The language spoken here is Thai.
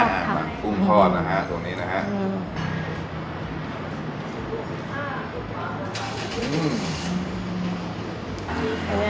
กุ้งทอดนะครับตรงนี้นะครับ